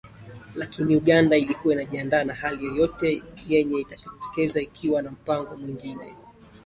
Lakini Uganda ilikuwa inajiandaa na hali yoyote yenye itakayojitokeza ikiwa na mpango mwingine .